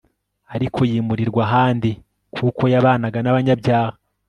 ariko yimurirwa ahandi kuko yabanaga n'abanyabyaha